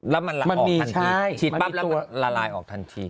แล้วมันออกทันทีมันละลายออกทันที